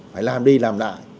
phải làm đi làm lại